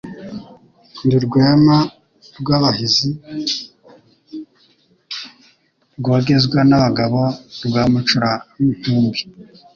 Ndi Rwema rw'abahizi, rwogezwa n'abagabo rwa mucurankumbi